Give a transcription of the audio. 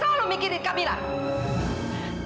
kamu bisa berpikirin camilla terus